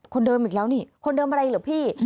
คนเดิมอีกแล้วนี่คนเดิมอะไรเหรอพี่